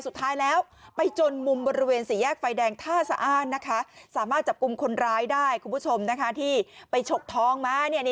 สุดท้ายแล้วไปจนมุมบริเวณสี่แยกไฟแดงท่าสะอ้านนะคะสามารถจับกลุ่มคนร้ายได้คุณผู้ชมที่ไปฉกท้องมา